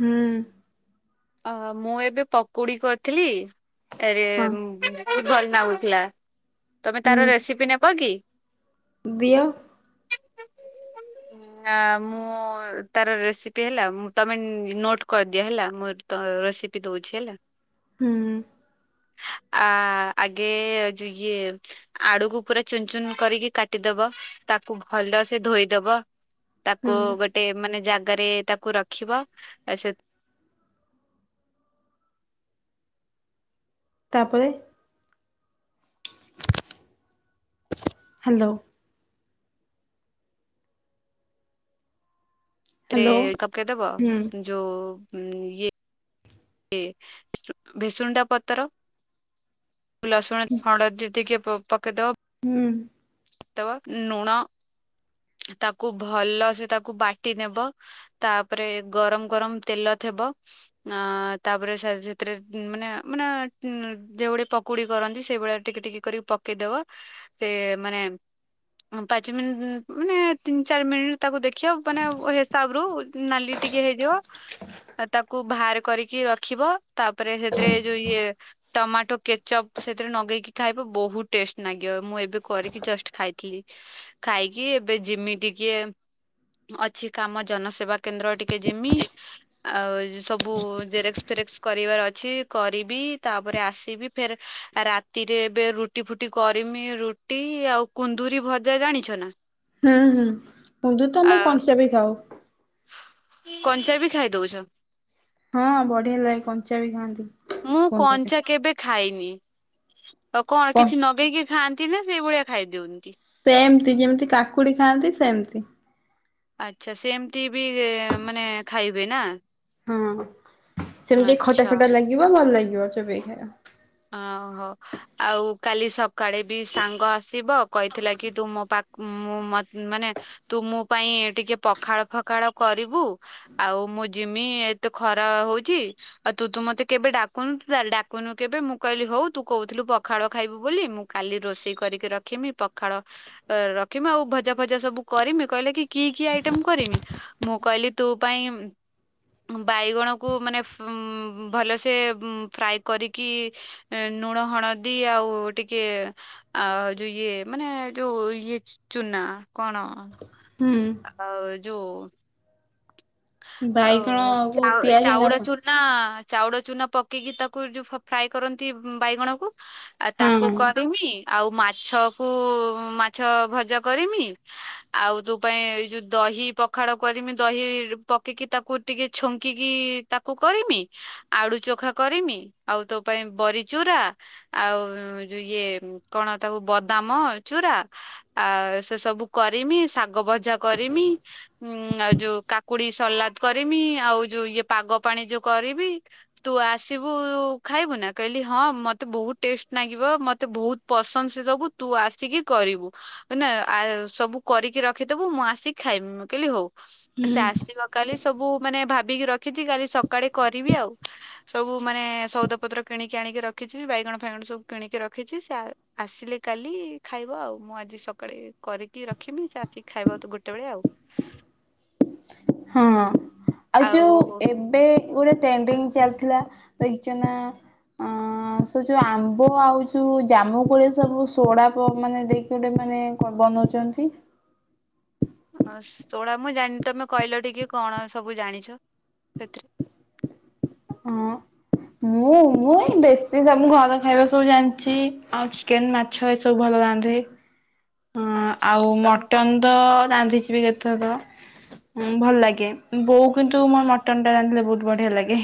ହୁଁ। ଅ ମୁଁ ଏବେ ପକୁଡ଼ି କରିଥିଲି। ହଁ [unintelligible] ବହୁତ ଭଲ ନାଗୁଥିଲା ତମେ ତାର ହୁଁ ରେସିପି ନେବ କି? ଦିଅ। ହୁଁ। ନା ମୁଁ ତାର ରେସିପି ହେଲା ମୁଁ ତମେ ନୋଟ କରିଦିଅ ହେଲା ମୋର ତ ରେସିପି ଦଉଛି ହେଲା। ହୁଁ। ଆ ଆଗେ ଯି ଇଏ ଆଡୁକୁ ପୁରା ଚୁନ ଚୁନ କରିକି କାଟିଦବ ତାକୁ ଭଲ ସେ ଧୋଇଦବ। ତାକୁ ହୁଁ ଗୋଟେ ମାନେ ଜାଗାରେ ତାକୁ ରଖିବ, ଆ ସେ ତାପରେ ହାଲୋ। ହ୍ୟାଲୋ ହୁଁ [unintelligible] ହୁଁ ଯୋଉ ଇଏ ଇଏ ଭିସୁଣ୍ଡା ପତ୍ର ଲସୁଣ [inaudible] ଦେଇଦେଇକି ପ ପକେଇଦବ। ହୁଁ। ତ ନୁଣ ତାକୁ ଭଲ ସେ ତାକୁ ବାଟି ନେବ। ତାପରେ ଗରମ ଗରମ ତେଲ ଥିବ ଆଁ ତାପରେ ସେ ସେଥିରେ ମାନେ ମାନେ ଯେଉଗୁଡେ ପକ୍ ପକୁଡ଼ି କରନ୍ତି ସେଇଭଳିଆ ଟିକେ ଟିକେ କରିକି ପକେଇଦବା ସେ ମାନେ ପାଞ୍ଚ ମିନିଟ୍ ମାନେ ତିନି ଚାରି ମିନିଟ୍ ତାକୁ ଦେଖିବ ମାନେ ହିସାବରୁ ନାଲି ଟିକେ ହେଇଯିବ ଆ ତାକୁ ବାହାର କରିକି ରଖିବ ତାପରେ ସେଥିରେ ଯୋଉ ଇଏ ଟମାଟୋ କେଚଅପ୍ ସେଥିରେ ନଗେଇକି ଖାଇବ ବହୁତ ଟେଷ୍ଟ ନାଗିବ ମୁଁ ଏବେ କରିକି ଜଷ୍ଟ ଖାଇଥିଲି ଖାଇକି ଏବେ ଯିମି ଟିକିଏ ଅଛି କାମ ଜନସେବା କେନ୍ଦ୍ର ଟିକେ ଯିମି। ଆଉ ଏ ସବୁ ଜେରେକ୍ସ ଫେରେକ୍ସ କରିବାର ଅଛି କରିବି ତାପରେ ଆସିବି ଫେର ରାତିରେ ଏବେ ରୁଟି ଫୁଟି କରିମି ରୁଟି ଆଉ କୁନ୍ଦୁରି ଭଜା ଜାଣିଛ ନା? ହୁଁ-ହୁଁ କୁନ୍ଦୁରି ତ ଆ ଆମେ କଞ୍ଚା ବି ଖାଉ। କଞ୍ଚା ବି ଖାଇ ଦଉଛ? ହଁ ବଢିଆ ଲାଗେ କଞ୍ଚା ବି ଖାଆନ୍ତି। ମୁଁ କୁନ୍ଦୁରି କଞ୍ଚା କେବେ ଖାଇନି। ଆଉ କଁ କ କିଛି ନଗେଇକି ଖାଆନ୍ତି ନା ସେଇ ଭଳିଆ ଖାଇ ଦ୍ୟୁଅନ୍ତି? ସେମ୍ତି ଯେମ୍ତି କାକୁଡି ଖାଆନ୍ତି ସେମ୍ତି। ଆଚ୍ଛା ସେମ୍ତି ବି ଏ ମାନେ ଖାଇବେ ନା? ହଁ ସେମ୍ତି ଖଟା ଆଚ୍ଛା। ଖଟା ଲାଗିବ ଭଲ ଲାଗିବ ଚୋବେଇ ଖାଇଆ। ଅହୋ ଆଉ କାଲି ସକାଳେ ବି ସାଙ୍ଗ ଆସିବ।। କହିଥିଲା କି ତୁ ମୋ ପା [unintelligible] ମୁଁ ମ ମାନେ ତୁ ମୋ ପାଇଁ ଟିକେ ପଖାଳ ଫଖାଳ କରିବୁ ଆଉ ମୁଁ ଯିମି ଏତେ ଖରା ହଉଚି। ଆଉ ତୁ ତ ମତେ କେବେ ଡାକୁନୁ ତୁ [unintelligible] ଡାକୁନୁ କେବେ ମୁଁ କଇଲି ହଉ ତୁ କଉଥିଲୁ ପଖାଳ ଖାଇବୁ ବୋଲି ମୁଁ କାଲି ରୋଷେଇ କରିକି ରଖିମି ପଖାଳ ଅ ରଖମି ଆଉ ଭଜା ଫଜା ସବୁ କରିମି କହିଲା କି କି ଆଇଟମ୍ କରିମି? ମୁଁ କଇଲି ତୋ ପାଇଁ ଇମ୍ ଉଁ ବାଇଗଣକୁ ମାନେ ଫୁଁ ଭଲସେ ଉଁ ଫ୍ରାଏ କରିକି ଏଁ ନୁଣ ହଣଦି ଆଉ ଟିକେ ଆଉ ଯୋଉ ଇଏ ମାନେ ଯୋଉ ଇଏ ଚୁନା କଣ ହୁଁ। ଆଉ ଯୋ ଓ ବାଇଗଣକୁ ଚାଓ ପିଆଜ ଚାଉଳ କଣ ଚୂ ନା ଚାଉଳ ଚୁନା ପକେଇକି ତାକୁ ଯୋଉ ଫ ଫ୍ରାଏ କରନ୍ତି ବାଇଗଣକୁ ଆ ତାକୁ ହଁ କରିମି ଆଉ ମାଛ କୁ ମାଛ ଭଜା କରିମି। ଆଉ ତୋ ପାଇଁ ଏଇ ଯୋଉ ଦହି ପଖାଳ କରିମି ଦହି ପକିକି ତାକୁ ଟିକେ ଛୁଙ୍କିକି ତାକୁ କରିମି। ଆଡୁ ଚୋଖା କରିମି ଆଉ ତୋ ପାଇଁ ବରି ଚୁରା ଆଉ ଉଁ ଯୋଉ ଇଏ କଣ ତାକୁ ବଦାମ ଚୁରା। ଆ ସେ ସବୁ କରିମି ଶାଗ ଭଜା କରିମି ଉଁ ଆଉ ଯୋଉ କା କୁଡି ସଲାଦ୍ କରିମି ଆଉ ଯୋଉ ଇଏ ପାଗ ପାଣି ଯୋଉ କରିବି। ତୁ ଆସିବୁ ଖାଇବୁ ନା କଇଲି ହଁ ମୋତେ ବହୁତ୍ ଟେଷ୍ଟ ଲାଗିବ ମତେ ବହୁତ୍ ପସନ୍ଦ୍ ସେ ସବୁ ତୁ ଆସିକି କରିବୁ। ଅ ନା [unintelligible] ସବୁ କରିକି ରଖିଦବୁ ମୁଁ ଆସିକି ଖାଇମି ମୁଁ କଇଲି ହଉ ଏ ସେ ହୁଁ ଆସିବ କାଲି ସବୁ ମାନେ ଭାବିକି ରଖିଚି କାଲି ସକାଳେ କରିବି ଆଉ। ସବୁ ମାନେ ସଉଦା ପତ୍ର କିଣିକି ଆଣିକି ରଖିଚି ବାଇଗଣ ଫାଇଗଣ ସବୁ କିଣିକି ରଖିଚି ସେ ଆ ଆସିଲେ କାଲି ଖାଇବ ଆଉ। ମୁଁ ଆଜି ସକାଳେ କରିକି ରଖିମି ସେ ଆସିକି ଖାଇବ ତ ଗୋଟେ ବେଳେ ଆଉ। ହଁ ଆଉ ଯୋଉ ଏବେ ଗୋଟେ ଟେନ୍ଡିଙ୍ଗ୍ ଚାଲିଥିଲା ଦେଖଚୁ ନା? ଅଁ ସେ ଯୋଉ ଆମ୍ବ ଆଉ ଯୋଉ ଜାମୁ କୋଳି ସବୁ ସୋଡା ପ ମାନେ ଦେଇ କୁ ଟେ ମାନେ କଁ ବନଉଚନ୍ତି। ଆଁ ସୋଡା ମୁଁ ଜାନ୍ ତମେ କହିଲ ଟିକେ କଣ ସବୁ ଜାଣିଛ ସେଥିରେ? ହଁ। ମୁଁ ମୁଁ ଏଇ ଦେଶୀ ସବୁ ଘର ଖାଇବା ସବୁ ଜାଣିଚି ଆଉ ଚିକେନ୍ ମା ଛ ଏସବୁ ଭଲ ରାନ୍ଧେ। ହଁ ଆଚ୍ଛା ଆଉ ତମ ମଟନ ତ ରାନ୍ଧିଛି ବି କେତେ ଥର। ହୁଁ ଭଲ ଲାଗେ ବୋଉ କିନ୍ତୁ ମୋର ମଟନ ଟା ରାନ୍ଧିଲେ ବହୁତ ବଢିଆ ଲାଗେ।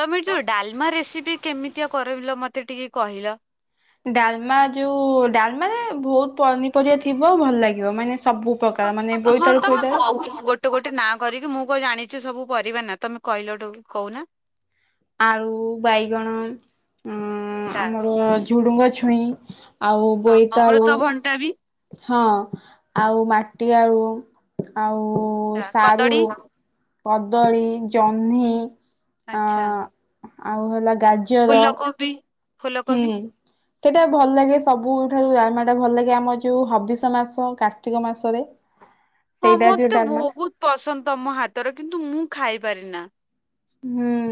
ତମେ ଯୋଉ ଡାଲମା ରେସିପି କେମିତିଆ କରିଲ ମତେ ଟିକେ କହିଲ। ଡାଲମା ଯୋଉ ଡାଲମାରେ ବହୁତ ପନିପରିବା ଥିବ ଭଲ ଲାଗିବ ମାନେ ସବୁ। ପକାର ମାନେ ବୋଇତାଳୁ ଫୋଇତାଳୁ। ତ ଗୋଟେ ନାଁ କରିକି ମୁଁ କଣ ଜାଣିଛି ସବୁ ପରିବା ନା ତମେ କହିଲ କହୁନା? ଆଳୁ ବାଇଗଣ ଅ ଆଚ୍ଛା, ଆମର ଝୁଡୁଙ୍ଗ ଛୁଇଁ। ଆଉ ହଁ ବୋଇତାଳୁ ଅମୃତଭଣ୍ଡା ବି ହଁ ଆଉ ମାଟି ଆଳୁ। ଆଉ ସାରୁ କଦଳୀ କଦଳୀ ଜହ୍ନି। ଆ ଆଚ୍ଛା। ଆଉ ହେଲା ଗା ଫୁଲକୋବି। ହୁଁ। ଫୁଲକୋବି ସେଇଟା ଭଲ ଲାଗେ ସବୁଠାରୁ ଡାଲମା ଟା ଭଲ ଲାଗେ ଆମର ଯୋଉ ହବିଷ ମାସ କାର୍ତ୍ତିକ ମାସରେ। ହଁ ସେଇଟା ଯୋଉ ମତେ ଡାଲମା ବହୁତ ପସନ୍ଦ ତମ ହାତର କିନ୍ତୁ ମୁଁ ଖାଇପାରି ନା। ହୁଁ।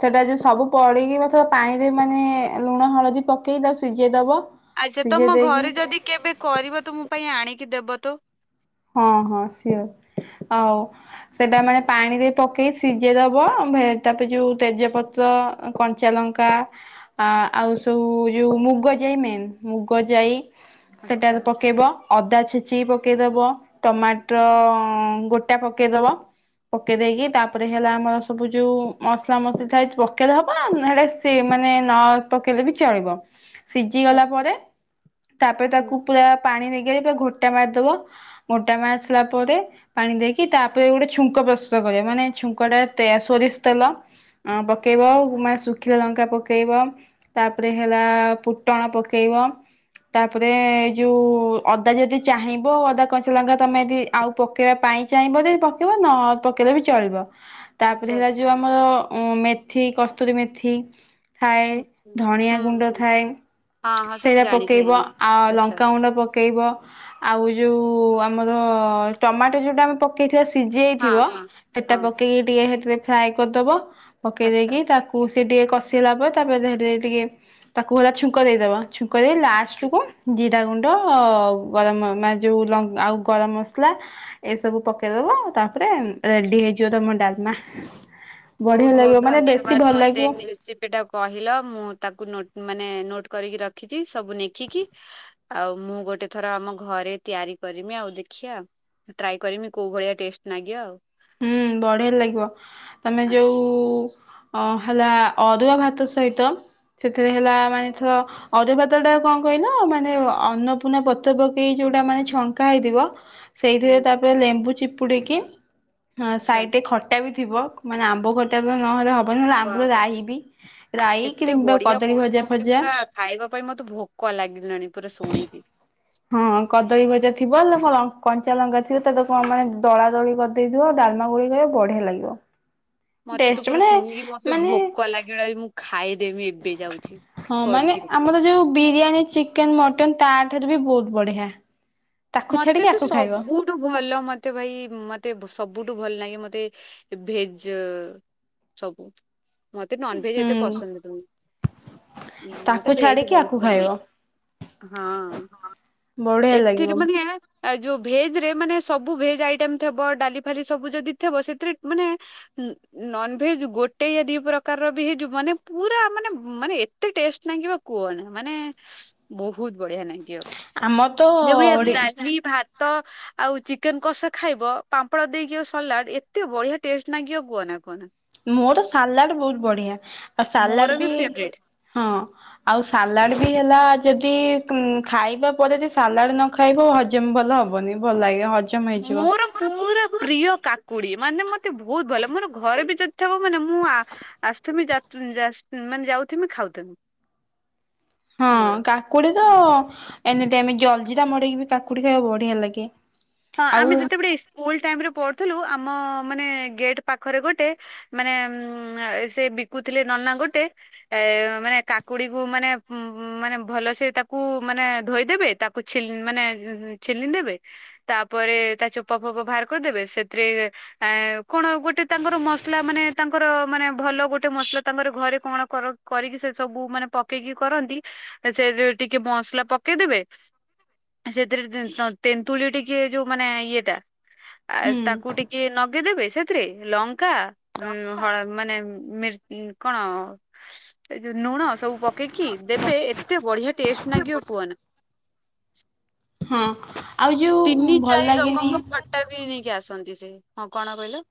ସେଟା ଯୋଉ ସବୁ ପଡିକି ମ ପାଣିରେ ମାନେ ଲୁଣ ହଳଦୀ ପକେଇ ତାକୁ ସିଝେଇ ଦବ। ଆଚ୍ଛା ସିଝେଇ ତମ ଦେଇକି ଘରେ ଯଦି କେବେ କରିବ ତ ମୋ ପାଇଁ ଆଣିକି ଦେବ ତ। ହଁ ହଁ ସିଓର ଆଉ ସେଟା ମାନେ ପାଣିରେ ପକେଇ ସିଝେଇ ଦବ ତାପରେ ଯୋଉ ତେଜପତ ତ୍ର କଞ୍ଚା ଲଙ୍କା ଆ ଆଉ ସବୁ ଯୋଉ ମୁଗ ଯାଇ ମେନ୍ ମୁଗ ଯାଇ ଆଚ୍ଛା। ସେଟାରେ ପକେଇବ ଅଦା ଛେଚିକି ପକେଇଦବ। ଟମାଟର ଗୋଟା ପକେଇଦବ। ପକେଇ ଦେଇକି ତାପରେ ହେଲା ଆମର ସବୁ ଯୋଉ ମସଲା ମସଲି ଥାଏ ପକେଇଲେ ହବ ହେଟା ସିଏ ମାନେ ନ ପକେଇଲେ ବି ଚଳିବ। ସିଝି ଗଲା ପରେ ତାପରେ ତାକୁ ପୁରା ପାଣି ନିଗାଡ଼ିକି ଘୋଟା ମାରିଦବ। ଘୋଟା ମାରସାରଲା ପରେ ପାଣି ଦେଇକି ତାପରେ ଗୋଟେ ଛୁଙ୍କ ପ୍ରସ୍ତୁତ କରିବ ମାନେ ଛୁଙ୍କଟା ସୋରିଷ ତେଲ ଅ ପକେଇବ ମାନେ ଶୁଖିଲା ଲଙ୍କା ପକେଇବ ତାପରେ ହେଲା ପୁଟଣ ପକେଇବ। ତାପରେ ଏଇ ଯୋଉ ଅଦା ଯଦି ଚାହିଁବ ଅଦା କ ଲଙ୍କା ତମେ ଯଦି ଆଉ ପକେଇବା ପାଇଁ ଚାହିଁବ ଯଦି ପକେଇବ ନ ପକେଇଲେ ବି ଚଳିବ। ତାପରେ ହେଲା ଯୋଉ ଆମର ମେଥି କସ୍ତୁରୀ ମେଥି ଥାଏ ଧଣିଆ ଗୁଣ୍ଡ ଥାଏ। ସେରା ପକେଇବ ଆଉ ଲଙ୍କାଗୁଣ୍ଡ ପକେଇବ। ଆଉ ଯୋଉ ଆମର ଟମାଟୋ ଯୋଉଟା ଆମେ ପ ସିଜେଇଥିବା ସିଝି ହଁ, ଯାଇଥିବ ହଁ, ସେଟା ହଁ, ପକେଇକି ଟିକେ ହେଥିରେ ଫ୍ରାଏ କରିଦବ ପକେଇ ଆଚ୍ଛା, ଦେଇକି ତାକ ସେ ଟିକେ କଷେଇଲା ପରେ ତାପରେ ଧଲେ ଟିକେ ତାକୁ ହେଲା ଛୁଙ୍କ ଦେଇଦବ କରି ଆଚ୍ଛା, ଲାଷ୍ଟକୁ ଜିରା ଗୁଣ୍ଡ ଗରମ ମାନେ ଯଉ ଲ ଆଉ ଗରମ ମସଲା ଏସବୁ ପକେଇଦବ ତାପରେ ରେଡି ହେଇଯିବ ତମ ଡାଲମା। ବଢିଆ ଲାଗିବ ମାନେ ବେଶୀ ଭଲ ଲାଗିବ ସେଟା କହିଲ ମୁଁ ତାକୁ ନୋ ମାନେ ନୋଟ କରିକି ରଖିଛି ସବୁ ନେଖିକି ଆଉ ମୁଁ ଗୋଟେ ଥର ଆମ ଘରେ ତିଆରି କରିମି ଆଉ ଦେଖିଆ। ଟ୍ରାଏ କରିମି କୋଉ ଭଳିଆ ଟେଷ୍ଟ ଲାଗିିବ ଆଉ। ହୁଁ ବଢିଆ ଲାଗିବ ତମେ ଯୋଉ ଆଚ୍ଛା, ଅ ହେଲା ଅରୁୁଆ ଭାତ ସହିତ ସେଥିରେ ହେଲା ମାନେଥ ଅରୁପାତ ଟା କଣ କହିଲ ମାନେ ଅନ୍ନପୂର୍ଣ୍ଣା ପତ୍ର ପକେଇ ଯୋଉଟା ମାନେ ଛଙ୍କା ହେଇଥିବ। ସେଇଥିରେ ହଉ, ତାପରେ ଲେମ୍ବୁ ଚିପୁଡ଼ିକି। ହଁ ଆଚ୍ଛା, ସାଇଡରେ ଖଟା ବି ଥିବ ମାନେ ଆମ୍ବ ଖଟା ତ ନହେଲେ ହବ ହଲେ ୱାଓ, ଆମ୍ବୁଲ ଏ- ରାହି ବି ରାଇ ଏତେ କିମ୍ବା ବଢିଆ କଦଳୀ କହୁଛି, ଭଜାଆ ମୋତେ ଫଜଆ। ପୁରା ଖାଇବା ପାଇଁ ମତେ ଭୋକ ଲାଗିଲାଣି ପୁରା ଶୁଣିକି। ହଁ କଦଳୀ ଭଜା ଥିବ ଲ କଞ୍ଚା ଲଙ୍କା ଥିବ ତା କଣ ମାନେ ଦଳା ଦୋଳି ଦେଇଥିବ ଡାଲମା ଗୋଲେଇକି ଖାଇବ ବଢିଆ ଲାଗିବ। [inaudible] ମତେ ତ ଟେଷ୍ଟ ପୁରା ମାନେ ଶୁଣିକି ମତେ ମାନେ ଭୋକ ଲାଗିଲାଣି। ମୁଁ ଖାଇଦେବି ଏବେ ଯାଉଛି। ହଁ ମାନେ କରିକି ରୋଷେଇ ଆମର ଯୋଉ ବିରିୟାନୀ ଚିକେନ ମଟନ ତା ଠାରୁ ବି ବହୁତ ବଢିଆ। ତାକୁ ଛାଡିକି ଆାକୁ ଖାଇବ? ତୁ ଭଲ ମତେ ଭାଇ ମତେ ସବୁଠୁ ଭଲ ଲାଗେ ମତେ ଭେଜ ସବୁ ମତେ ନନଭେଜ ଏତେ ହୁଁ ପସନ୍ଦ ନୁହଁ। ହଁ ତାକୁ ମତେ ଭେଜ ଛାଡିକି ବହୁତ ଆକୁ ଭଲ ଖାଇବ। ଲାଗେ ହଁ ହଁ। ବଢିଆ ଲାଗେ। କିଟ ମାନେ ଆ ଯୋଉ ଭେଜ ରେ ମାନେ ସବୁ ଭେଜ ଆଇଟମ ଥିବ ଡାଲି ଫାଲି ସବୁ ଯଦି ଥିବ ସେଥିରେ ମାନେ ଉ ନନଭେଜ ଗୋଟେ ୟା ଦି ପ୍ରକାରର ବି ହେଇଯିବ ମାନେ ପୁରା ମାନେ ମାନେ ଏ ଏତେ ଟେଷ୍ଟ ଲାଗିବ କୁହନା ମାନେ ବହୁତ ବଢିଆ ଲାଗିବ। ଆମ ଯୋଉ ଭଳିଆ ଡାଲି ଭାତ ଆଉ ଚିକେନ କଷା ଖାଇବ ପାମ୍ପଡ଼ ଦେଇକି ଆଉ ସଲାଡ ଏତେ ବଢିଆ ଟେଷ୍ଟ ଲାଗିବ କୁହନା କୁହନା। ମୋର ତ ସାଲାଡ ବହୁତ ବଢିଆ ଆଉ ସାଲାଡ ମୋର ବି ଫେବରେଟ ହଁ। ଆଉ ସାଲାଡ ବି ହେଲା ଯଦି ଉ ଖାଇବା ପରେ ସାଲାଡ ନ ଖାଇବ ହଜମ ଭଲ ହବନି ଭଲ ଲାଗିବ ମୋର ପୁରା ପ୍ରିୟ କାକୁଡି ମାନେ ମତେ ବହୁତ ଭଲ ଲାଗେ ମୋର ଘରେ ବି ଯଦିଥା ମାନେ ମୁଁ ଆ ଆସୁଥିମି ଯା ଯା ମାନେ ଯାଉଥିମି ଖାଉଥୁମି। ହଁ କାକୁଡି ତ ଏମିତି ଏମିତି ଜଲଜିରା ମଡ଼େଇ କିବି କାକୁଡି ଖାଇବାକୁ ବଢିଆ ଲାଗେ। ହଁ ଆଉ ଆମେ ଯେତେବେଳେ ସ୍କୁଲ ଟାଇମରେ ପଢୁଥିଲୁ। ଆମ ମାନେ ଗେଟ୍ ପାଖରେ ଗୋଟେ ମାନେ ଉ ସେ ବିକୁଥିଲେ ନନା ଗୋଟେ ଏ ମାନେ କାକୁଡି କୁ ମାନେ ମାନେ ଭଲ ସେ ତାକୁ ମାନେ ଧୋଇଦେବେ ତାକୁ ଛେଲି ମାନେ ଛେଲି ଦେବେ। ତାପରେ ତା ଚୋପ ଫୋପା ବାହାର କରିଦେବେ ସେଥିରେ ଆ କଣ ଗୋଟେ ତାଙ୍କର ମସଲା ମାନେ ତାଙ୍କର ମାନେ ଭଲ ଗୋଟେ ମସଲା ତାଙ୍କର ଘରେ କଣ କର କରିକି ସେ ସବୁ ମାନେ ପକେଇକି କରନ୍ତି ସେ ଟିକେ ମସଲା ପକେଇଦେବେ ସେଥିରେ ଟେ ତେନ୍ତୁଳି ଟି ଟିକେ ଯୋଉ ମାନେ ଇଏଟା ଆ ହୁଁ। ତାକୁ ଟିକେ ନଗେଇଦେବେ ସେଥିରେ ଲଙ୍କା ଉଁ ହଳ ମାନେ ମିର୍ଚି କଣ ଏ ଯୋଉ ଲୁଣ ସବୁ ପକେଇକି ଦେବେ ଏତେ ବଢିଆ ଟେଷ୍ଟ ଲାଗିବ କୁହନା? ହୁଁ ଆଉ ଯୋଉ ଭଲ ଲାଗେନି ଟା ବି ନେଇକି ଆସନ୍ତି ସେ। ହଁ କଣ କହିଲ?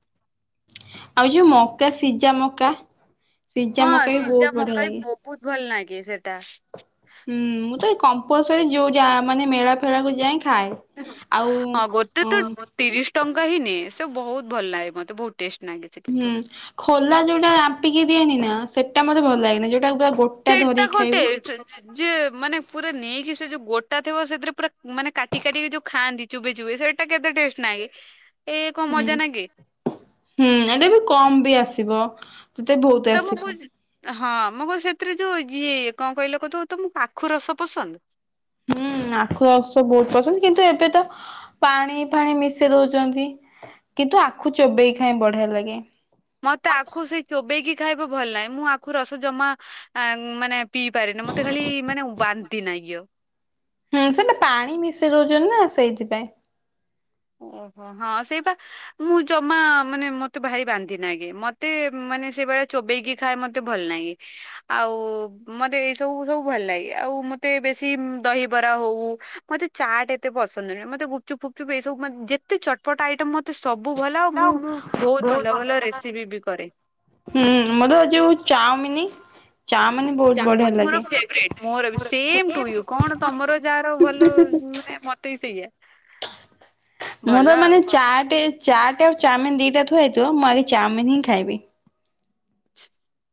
ଆଉ ଯୋଉ ମକା ସିଜା ମକା ସିଜା ହଁ ମକା ବି ସିଝା ବହୁତ ବଢିଆ ମକା ବି ଲାଗେ। ବହୁତ ଭଲ ଲାଗେ ସେଟା। ହୁଁ ମୁଁ ତ କମ୍ପଲସରି ଯୋଉ ଯା ମାନେ ମେଳା ଫେଳା କୁ ଯାଇଁ ଖାଏ। ଆଉ ହଁ ଗୋଟେ ତ ଅ ତିରିଶ ଟଙ୍କା ହିଁ ନିଏ। ସେ ବହୁତ ଭଲ ଲାଗେ ମତେ ବହୁତ ଟେଷ୍ଟ ଲାଗେ। ସେ କିନ୍ତୁ। ହୁଁ ଖୋଲା ଯୋଉଟା ରାମ୍ପିକି ଦିଏନି ନା ସେଇଟା ମତେ ଭଲ ଲାଗେନି ଯୋଉଟା ପୁରା ଗୋ ସେଟା ଗୋଟେ ଯିଏ ମାନେ ପୁରା ନେଇକି ସେ ଯୋଉ ଗୋଟା ଥିବ ସେଥିରେ ପୁରା ମାନେ କାଟି କାଟିକି ଯୋଉ ଖାଆନ୍ତି। ଚୋବେଇ ଚୋବେଇ ସେଇଟା କେତେ ଟେଷ୍ଟ ନାଗେ। ଏ କଣ ହୁଁ ମଜା ହୁଁ ଏଇଟା ବି କମ ବି ଆସିବ ସେତେ ବହୁତ ତ ମୁଁ ଆସିବ। କୁଚି ହଁ ମୁଁ କଉଚି ସେଥିରେ ଯୋଉ ଇଏ କଣ କହିଲ କହୁଥିବ ତମକୁ ପାଖୁ ରସ ପସନ୍ଦ? ହୁଁ ଆଖୁ ରସ ବହୁତ ପସନ୍ଦ କିନ୍ତୁ ଏବେ ତ ପାଣି ଫାଣି ମିଶେଇ ଦଉଛନ୍ତି କିନ୍ତୁ ଆଖୁ ଚୋବେଇ ଖାଏ ବଢିଆ ଲାଗେ। ମତେ ଆଖୁ ସେଇ ଚୋବେଇକି ଖାଇବା ଭଲ ଲାଗେ। ମୁଁ ଆଖୁ ରସ ଜମା ଆ ମାନେ ପିଇପାରେନି ମତେ ଖାଲି ମାନେ ବାନ୍ତି ନାଗିଅ। ହୁଁ ସେଟା ପାଣି ମିଶେଇ ଦଉଛନ୍ତି ନା ସେଇଥିପାଇଁ। ଓହୋ ହଁ ସେଇ ପା। ମୁଁ ଜମା ମାନେ ମତେ ଭାରି ବାନ୍ତି ନାଗେ ମତେ ମାନେ ସେଇଭଳିଆ ଚୋବେଇକି ଖାଏ ମତେ ଭଲ ନାଗେ। ଆଉ ମତେ ଏଇ ସବୁ ସବୁ ଭଲ ଲାଗେ ଆଉ ମତେ ବେଶୀ ଦହିବରା ହଉ ମତେ ଚାଟ ଏତେ ପସନ୍ଦ ନୁହେଁ ମତେ ଗୁପଚୁପ୍ ଗୁପଚୁପ ଏ ସବୁ ମା ଯେତେ ଚଟପଟା ଆଇଟମ ମତେ ସବୁ ଭଲ ଆଉ ମୁଁ ବହୁତ ଭଲ ଭଲ ରେସିପି ବି କରେ। ହୁଁ ମୋତେ ବା ଯୋଉ ଚାଉମିନି ଚଓମିନ ବ ଚାଓମିନ ମୋର ଫେବରେଟ ମୋରବି ସମେ ଟୁ ୟୁ କଣ ତମର ଯାହାର ଭଲ ମାନେ ମ ତେ ସେୟା। ମୁଁ ତ ମାନେ ଚାଟେ ଚାଟେ ଆଉ ଚାଉମିନ ଦିଟା ଥୁଆ ହୋଇଥିବ ମୁଁ ଆଗେ ଚାଉମିନ ହିଁ ଖାଇବି।